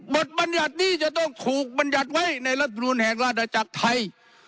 บัญญัตินี้จะต้องถูกบรรยัติไว้ในรัฐมนุนแห่งราชนาจักรไทย